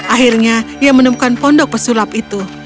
akhirnya ia menemukan pondok pesulap itu